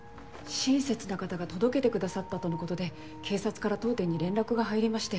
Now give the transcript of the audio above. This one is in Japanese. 親切な方が届けてくださったとのことで警察から当店に連絡が入りまして。